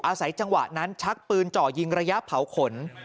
อาศัยจังหวะนั้นชักปืนเจาะยิงระยะเผาขน